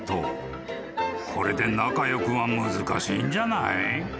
これで仲良くは難しいんじゃない？］